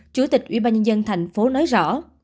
chủ tịch ubnd thành phố nói rõ